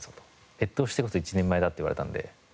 越冬してこそ一人前だって言われたんで。